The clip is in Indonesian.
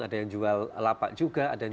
ada yang jual lapak juga